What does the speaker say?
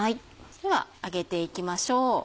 では揚げていきましょう。